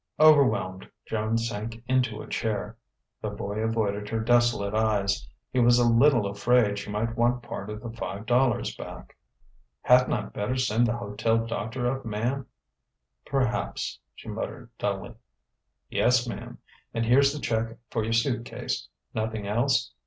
Overwhelmed, Joan sank into a chair. The boy avoided her desolate eyes; he was a little afraid she might want part of the five dollars back. "Hadn't I better send the hotel doctor up, ma'm?" "Perhaps," she muttered dully. "Yes, ma'm. And here's the check for your suit case. Nothing else?